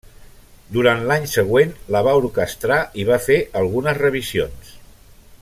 Durant l'any següent la va orquestrar i va fer algunes revisions.